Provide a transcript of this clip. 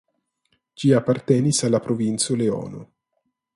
Ĝi apartenis al la Provinco Leono.